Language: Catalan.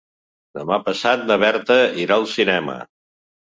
Demà passat na Berta irà al cinema.